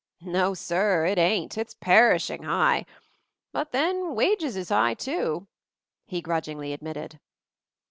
No, sir, it ain't. It's perishing high. But then, wages is high, too," he grudgingly admitted.